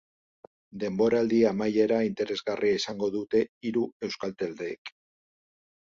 Denboraldi amaiera interesgarria izango dute hiru euskal taldeek.